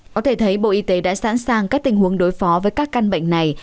có thể thấy bộ y tế đã sẵn sàng các tình huống đối phó với các căn bệnh này